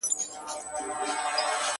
د اوښکو لاړ دي له یعقوبه تر کنعانه نه ځي -